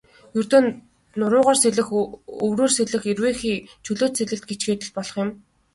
Ердөө нуруугаар сэлэх, өврөөр сэлэх, эрвээхэй, чөлөөт сэлэлт гэчихэд л болох юм.